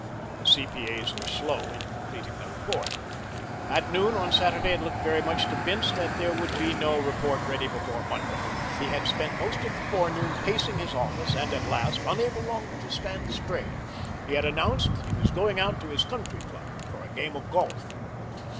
The C.P.A.'s were slow in completing their report. At noon on Saturday it looked very much to Bince that there would be no report ready before Monday. He had spent most of the forenoon pacing his office, and at last, unable longer to stand the strain, he had announced that he was going out to his country club for a game of golf.